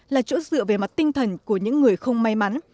là chỗ dựa về mặt tinh thần của những người không may mắn